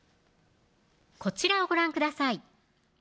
こちらをご覧ください